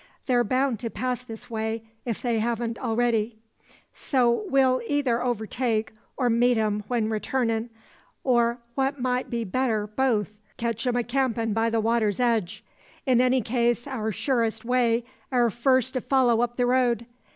They're bound to pass this way, ef they hain't arready. So we'll eyther overtake, or meet 'em when returnin', or what mout be better'n both, ketch 'em a campin' by the water's edge. In any case our surest way air first to follow up the road.